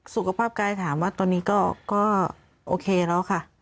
สุขภาพกายถามว่าตอนนี้ก็โอเคแล้วค่ะ